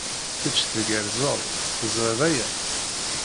Kečč tgerrzeḍ, teẓriḍ aya?